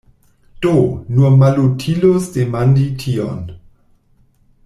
Do, nur malutilus demandi tion!